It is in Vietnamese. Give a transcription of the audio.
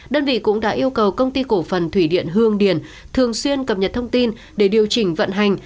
đơn vị cũng đã yêu cầu công ty cổ phần thủy điện hương điền thường xuyên cập nhật thông tin để điều chỉnh vận hành